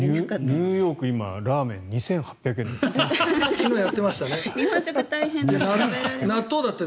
ニューヨークは今ラーメンが２８００円ですって。